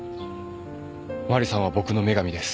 マリさんは僕の女神です。